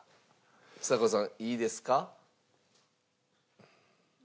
ちさ子さんいいですか？